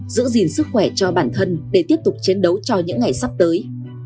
giữ gìn sức khỏe cho bản thân để tiếp tục chiến đấu cho những ngày sắp tới